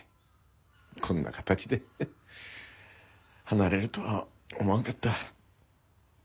こんな形で離れるとは思わんかった。